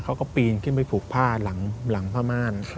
เขาก็ปีนขึ้นไปผูกผ้าหลังผ้าม่าน